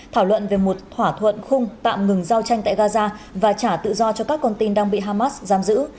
thảo luận về một thỏa thuận khung tạm ngừng giao tranh tại gaza và trả tự do cho các con tin đang bị hamas giam giữ